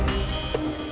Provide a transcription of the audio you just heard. aku mau ke rumah